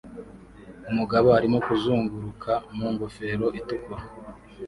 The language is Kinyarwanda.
Umugabo arimo kuzunguruka mu ngofero itukura